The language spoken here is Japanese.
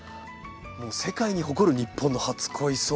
世界に誇る日本の初恋草。